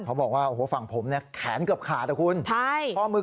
เขาบอกว่าฝั่งผมแขนเกือบขาดนะคุณ